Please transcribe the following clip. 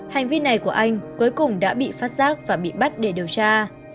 hành vi này của anh cuối cùng đã bị phát giác và bị bắt để điều tra